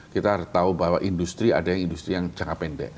kita harus tahu bahwa industri ada yang industri yang jangka pendek